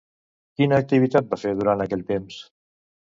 Quina activitat va fer durant aquell temps?